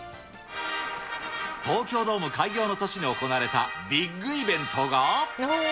東京ドーム開業の年に行われたビッグイベントが。